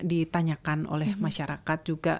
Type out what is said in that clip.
ditanyakan oleh masyarakat juga